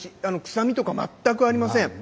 臭みとか全くありません。